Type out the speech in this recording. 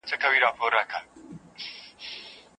کله چې طبیعت وساتل شي، راتلونکی نسل نه زیانمنېږي.